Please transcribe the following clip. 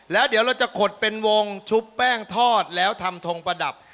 แล้วเดี๋ยวเราจะขดเป็นวงชุบแป้งทอดแล้วทำทงประดับ